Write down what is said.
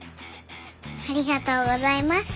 ありがとうございます。